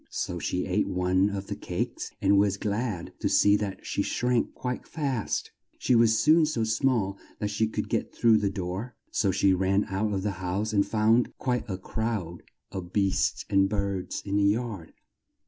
So she ate one of the cakes and was glad to see that she shrank quite fast. She was soon so small that she could get through the door, so she ran out of the house and found quite a crowd of beasts and birds in the yard.